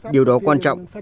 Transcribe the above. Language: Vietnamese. điều đó quan trọng